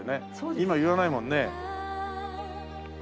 今言わないもんね。